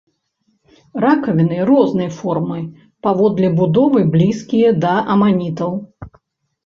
Ракавіны рознай формы, паводле будовы блізкія да аманітаў.